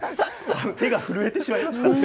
手が震えてしまいました。